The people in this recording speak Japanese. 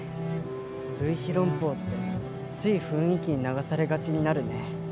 類比論法ってつい雰囲気に流されがちになるね。